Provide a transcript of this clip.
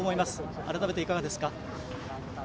改めて、いかがですか？